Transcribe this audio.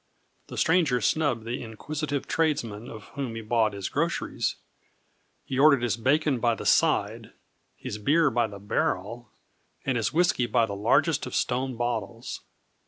The stranger snubbed the inquisitive tradesman of whom he bought his groceries; he ordered his bacon by the side, his beer by the barrel, and his whisky by the largest of stone bottles.